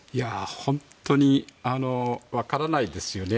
本当に分からないですよね。